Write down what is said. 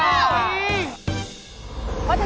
เลรสฮอตซอสนะคะ